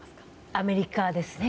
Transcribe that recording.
アメリカですね。